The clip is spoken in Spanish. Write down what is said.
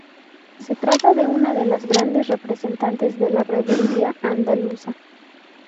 Se trata de una de las grandes representantes de la rebeldía andaluza.